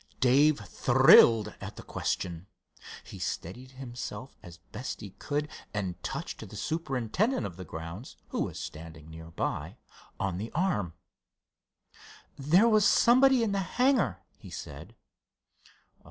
Dave thrilled at the question. He steadied himself as he best could, and touched the superintendent of the grounds, who was standing nearby, on the arm. "There was somebody in the hangar," he said.